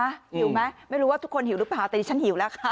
หิวไหมไม่รู้ว่าทุกคนหิวหรือเปล่าแต่ดิฉันหิวแล้วค่ะ